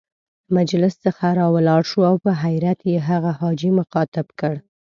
له مجلس څخه را ولاړ شو او په حيرت يې هغه حاجي مخاطب کړ.